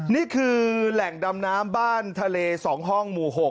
นี่คือแหล่งดำน้ำบ้านทะเล๒ห้องหมู่๖